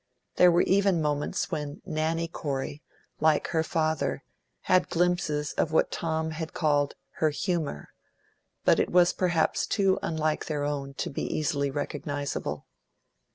There were even moments when Nanny Corey, like her father, had glimpses of what Tom had called her humour, but it was perhaps too unlike their own to be easily recognisable.